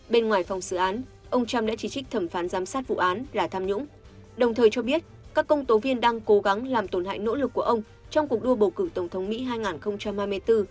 bên ngoài phòng xử án ông trump đã chỉ trích thẩm phán giám sát vụ án là tham nhũng đồng thời cho biết các công tố viên đang cố gắng làm tổn hại nỗ lực của ông trong cuộc đua bầu cử tổng thống mỹ hai nghìn hai mươi bốn